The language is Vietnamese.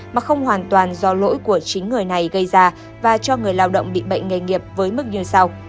mà không hoàn toàn do lỗi của chính người này gây ra và cho người lao động bị bệnh nghề nghiệp với mức như sau